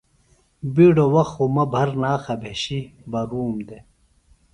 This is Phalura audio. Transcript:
بِیڈوۡ وخت خوۡ مہ بھرناخہ بھیشیۡ بہ روم دےۡ